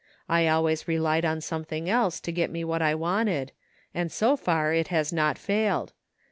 I always relied on something else to get me what I wanted, and so far it has not failed.